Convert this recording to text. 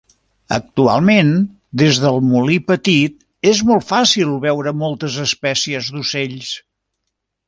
Actualment, des del Molí Petit és molt fàcil veure moltes espècies d'ocells.